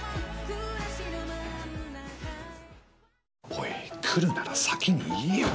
おい、来るなら先に言えよ。